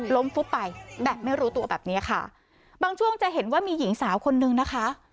ฟุบไปแบบไม่รู้ตัวแบบเนี้ยค่ะบางช่วงจะเห็นว่ามีหญิงสาวคนนึงนะคะ